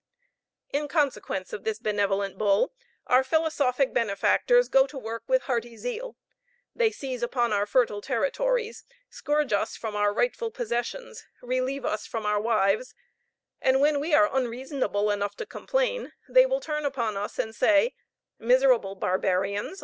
In consequence of this benevolent Bull, our philosophic benefactors go to work with hearty zeal. They seize upon our fertile territories, scourge us from our rightful possessions, relieve us from our wives, and when we are unreasonable enough to complain, they will turn upon us and say, "Miserable barbarians!